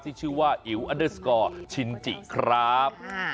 ที่ชื่อว่าอิ๋วอันเดอร์สกอร์ชินจิครับ